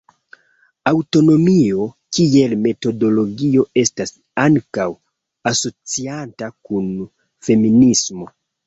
Aŭtonomio kiel metodologio estas ankaŭ asociata kun feminismo.